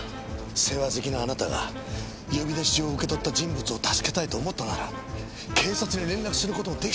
世話好きなあなたが呼び出し状を受け取った人物を助けたいと思ったなら警察に連絡する事もできたはずなんですよ。